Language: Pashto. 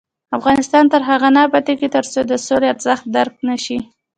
افغانستان تر هغو نه ابادیږي، ترڅو د سولې ارزښت درک نشي.